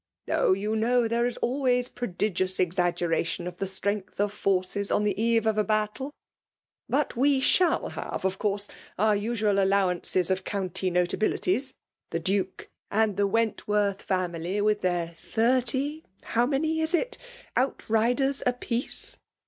*'*' Oh ! you know there is always prodigiow exaggeration of the strength of forces, on the eve of a battle. But we shall have, of course, our usual allowance of county notabilities, — ^the Duke, and the Wcntworth family, witli their Pt^ALK' COMlMATldN. 27 ^tUifity' (howmftny is it?) outriders iupieeie.